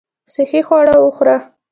صحي خواړه وخوره .